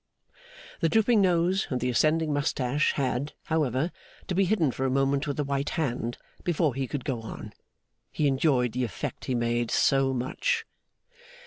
The drooping nose and the ascending moustache had, however, to be hidden for a moment with the white hand, before he could go on; he enjoyed the effect he made so much.